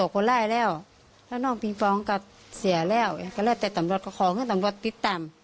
ก็เรียกแต่ทำรอดก็ขอเวชน์ทำรอดติดตาม